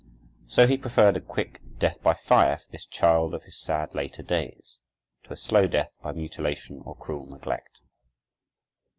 So he preferred a quick death by fire for this child of his sad later days, to a slow death by mutilation or cruel neglect.